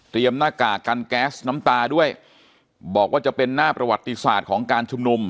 หน้ากากกันแก๊สน้ำตาด้วยบอกว่าจะเป็นหน้าประวัติศาสตร์ของการชุมนุม